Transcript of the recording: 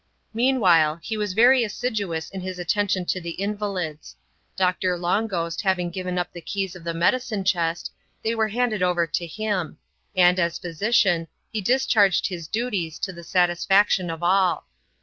Meanwhile, he was very assiduous in his attention to the invalids. Doctor Long Ghost having given up the keys of the medicine chest, they were handed over to him ; and, as phy sician, he discharged his duties to the satisfaction of all.